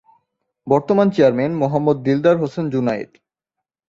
বর্তমান চেয়ারম্যান মোহাম্মদ দিলদার হোসেন জুনায়েদ।